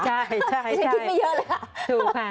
ใช่คิดไม่เยอะเลยค่ะ